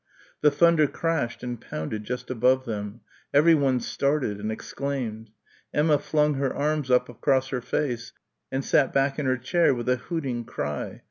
The thunder crashed and pounded just above them. Everyone started and exclaimed. Emma flung her arms up across her face and sat back in her chair with a hooting cry.